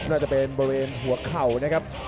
น่าจะเป็นบริเวณหัวเข่านะครับ